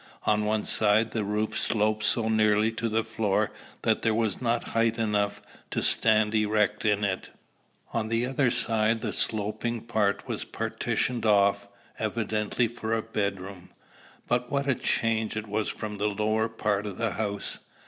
On one side the roof sloped so nearly to the floor that there was not height enough to stand erect in. On the other side the sloping part was partitioned off, evidently for a bedroom. But what a change it was from the lower part of the house!